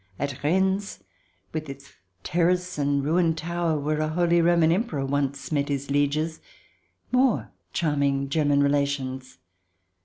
At Rens, with its terrace and ruined tower, where a holy Roman Emperor once met his lieges, more charming German relations